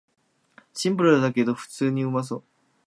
シンプルだけど普通にうまそう